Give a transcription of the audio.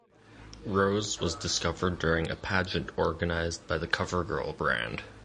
Rose was discovered during a pageant organized by the "Covergirl" brand.